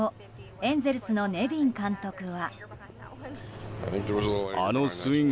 エンゼルスのネビン監督は。